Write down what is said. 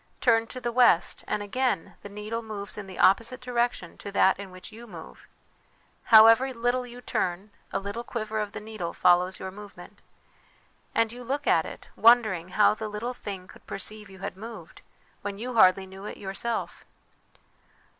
Turn to the west, and again the needle moves in the opposite direction to that in which you move. However little you turn, a little quiver of the needle follows your movement. And you look at it, wondering how the little thing could perceive you had moved, when you hardly knew it yourself.